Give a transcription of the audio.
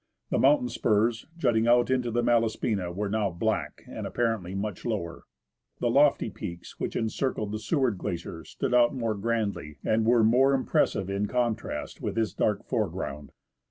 The mountain spurs jutting out into the Malaspina were now black, and apparently much lower. The lofty peaks which encircle the Seward Glacier stood out more grandly and were more impressive in contrast with this dark foreground.